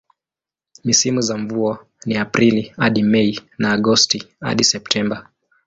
Misimu za mvua ni Aprili hadi Mei na Agosti hadi Septemba.